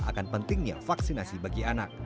akan pentingnya vaksinasi bagi anak